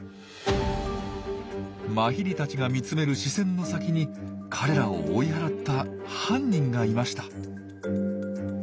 マヒリたちが見つめる視線の先に彼らを追い払った「犯人」がいました。